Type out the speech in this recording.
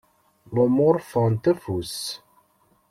Lumuṛ ffɣent afus.